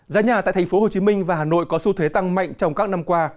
giá nhà tại tp hcm và hà nội có xu thế tăng mạnh trong các năm qua